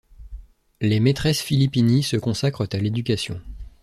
Les maîtresses Filippini se consacrent à l'éducation.